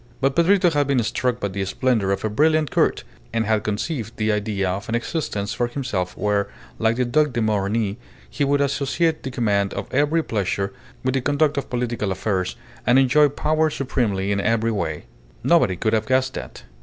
But Pedrito had been struck by the splendour of a brilliant court, and had conceived the idea of an existence for himself where, like the Duc de Morny, he would associate the command of every pleasure with the conduct of political affairs and enjoy power supremely in every way. Nobody could have guessed that.